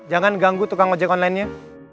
jangan ganggu tukang ojek online nya